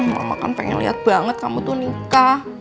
mama kan pengen lihat banget kamu tuh nikah